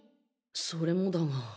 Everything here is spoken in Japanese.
それもだが。